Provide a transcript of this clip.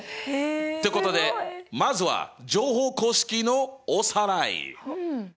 ってことでまずは乗法公式のおさらい！